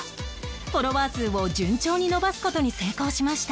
フォロワー数を順調に伸ばす事に成功しました